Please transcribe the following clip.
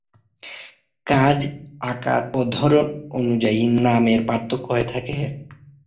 কাজ আকার ও ধরন অনুযায়ী নামে পার্থক্য হয়ে থাকে।